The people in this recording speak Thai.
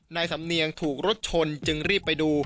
นายสำเนียงถูกรถชนจึงรีบไปดู